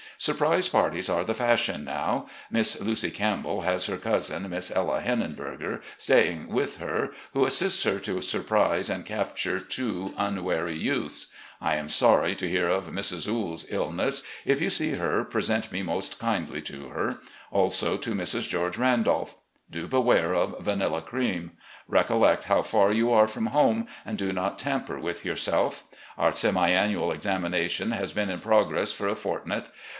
Surprise parties are the fashion now. Miss Lucy Campbell has her cousin. Miss Ella Heninberger, staying with her, who assists her to surprise and capture too unwary youths. I am sorry to hear of Mrs. Quid's illness. If you see her, present me most kindly to her; also to Mrs. Gteorge Randolph. Do beware of vanilla cream. Recollect how far you are from home, and do not tamper with yourself. Our semi annual examination has been in progress for a fortnight.